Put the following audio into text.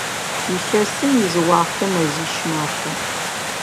Илъэсым изыуахътэ мэзищ мэхъу.